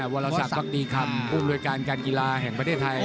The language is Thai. วรสัตว์ภักดีคำภูมิรวยการการกีฬาแห่งประเทศไทย